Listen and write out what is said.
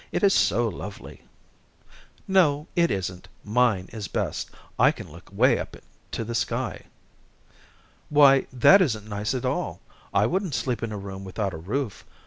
It is so lovely." "No, it isn't. Mine is best. I can look way up to the sky." "Why, that isn't nice at all. I wouldn't sleep in a room without a roof.